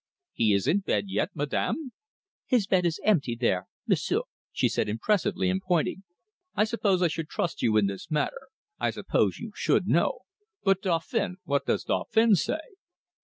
"He is in bed yet, Madame?" "His bed is empty there, M'sieu'," she said, impressively, and pointing. "I suppose I should trust you in this matter; I suppose you should know. But, Dauphin what does Dauphin say?"